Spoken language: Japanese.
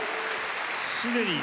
すでに。